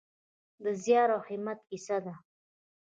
د زیار او همت کیسه ده.